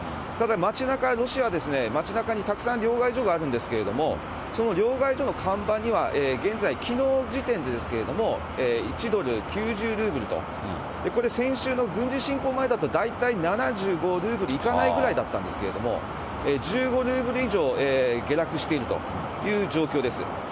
ただ町なか、ロシアは町なかにたくさん両替所があるんですけれども、その両替所の看板には、現在、きのう時点でですけれども、１ドル９０ルーブルと、これ、先週の軍事侵攻前だと大体７５ルーブルいかないぐらいだったんですけれども、１５ルーブル以上下落しているという状況です。